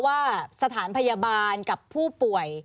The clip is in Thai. ว่าสถานพยาบาลกับผู้ป่วย